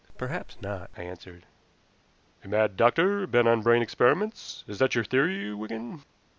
"Perhaps not," I answered. "A mad doctor bent on brain experiments is that your theory, Wigan?"